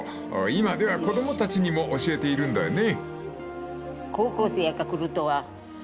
［今では子供たちにも教えているんだよね］